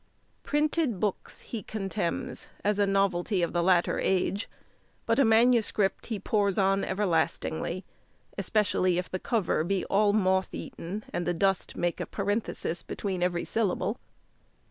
Printed bookes he contemnes, as a novelty of this latter age; but a manuscript he pores on everlastingly; especially if the cover be all moth eaten, and the dust make a parenthesis between every syllable.